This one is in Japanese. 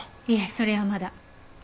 いえそれはまだ。